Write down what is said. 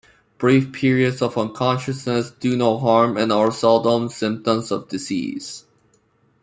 Brief periods of unconsciousness do no harm and are seldom symptoms of disease.